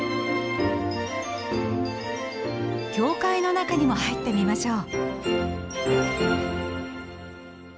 教会の中にも入ってみましょう。